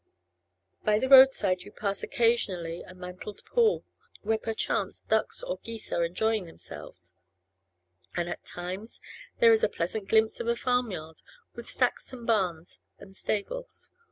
By the roadside you pass occasionally a mantled pool, where perchance ducks or geese are enjoying themselves; and at times there is a pleasant glimpse of farm yard, with stacks and barns and stables.